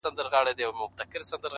• په څپو کي ستا غوټې مي وې لیدلي ,